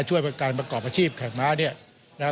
ช่วยประการประกอบอาชีพแขกม้าเนี่ยนะฮะ